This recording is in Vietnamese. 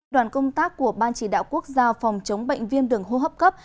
đoàn công tác của ban chỉ đạo quốc gia phòng chống bệnh viêm đường hô hấp cấp